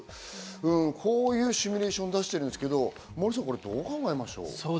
こういうシミュレーションを出してるんですけど、モーリーさんどう考えましょう？